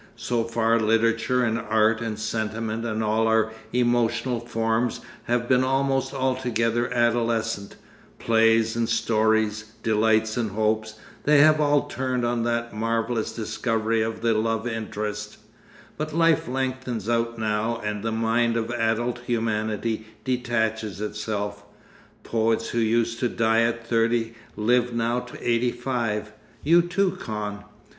So far literature and art and sentiment and all our emotional forms have been almost altogether adolescent, plays and stories, delights and hopes, they have all turned on that marvellous discovery of the love interest, but life lengthens out now and the mind of adult humanity detaches itself. Poets who used to die at thirty live now to eighty five. You, too, Kahn!